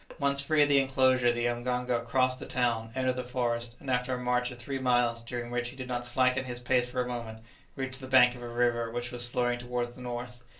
Once free of the enclosure the mganga crossed the town, entered the forest, and after a march of three miles, during which he did not slacken his pace for a moment, reached the bank of a river which was flowing towards the north.